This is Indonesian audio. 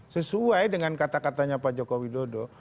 sesuai dengan kata katanya pak joko widodo